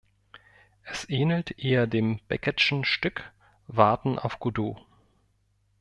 Es ähnelt eher dem Beckettschen Stück Warten auf Godot.